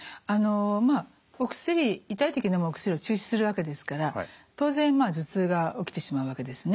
まあお薬痛い時のむお薬を中止するわけですから当然頭痛が起きてしまうわけですね。